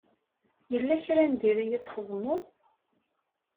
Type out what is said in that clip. Yella kra n diri i txedmeḍ?